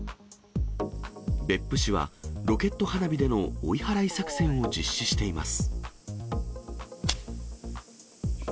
別府市は、ロケット花火での追い払い作戦を実施しています。